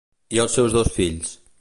I els seus dos fills?